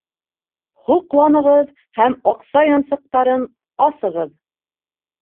Һоҡланығыҙ һәм аҡса янсыҡтарын асығыҙ!